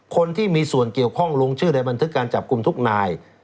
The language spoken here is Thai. คนที่มีส่วนเกี่ยวข้องลงชื่อในบันทึกการจับกลุ่มทุกนาย